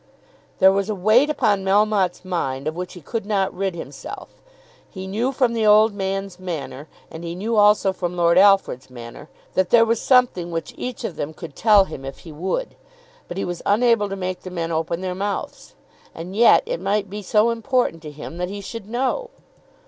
There was a weight upon Melmotte's mind of which he could not rid himself. He knew from the old man's manner, and he knew also from Lord Alfred's manner, that there was something which each of them could tell him if he would. But he was unable to make the men open their mouths. And yet it might be so important to him that he should know!